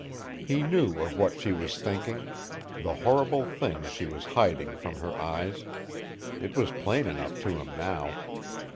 He knew of what she was thinking the horrible thing she was hiding from her eyes. It was plain enough to him now.